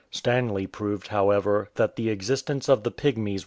Stanley proved, however, that the existence of the Pygmies 171 MR.